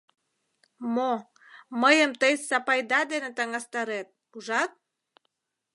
Мо, мыйым тый Сапайда дене таҥастарет, ужат?..